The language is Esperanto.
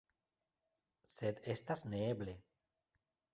Sed estas neeble.